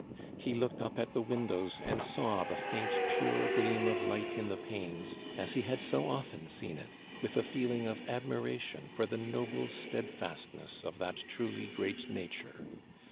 He looked up at the windows and saw the faint pure gleam of light in the panes, as he had so often seen it, with a feeling of admiration for the noble steadfastness of that truly great nature.